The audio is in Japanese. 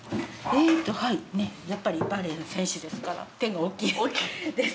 はいやっぱりバレーの選手ですから手がおっきいですけれど。